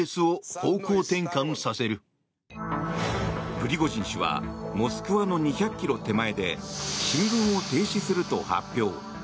プリゴジン氏はモスクワの２００ｋｍ手前で進軍を停止すると発表。